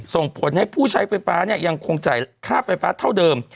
ส่งผลให้ผู้ใช้ไฟฟ้าเนี่ยยังคงจ่ายค่าไฟฟ้าเท่าเดิม